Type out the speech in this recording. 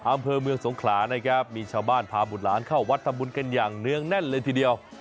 อำเภอเมืองสงขลานะครับมีชาวบ้านพาบุตรหลานเข้าวัดทำบุญกันอย่างเนื่องแน่นเลยทีเดียว